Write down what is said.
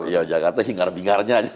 ya jakarta hingar bingarnya aja